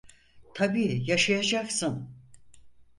Tabii yaşayacaksın…